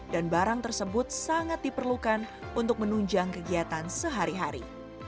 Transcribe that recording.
dan barang tersebut sangat diperlukan untuk menunjang kegiatan sehari hari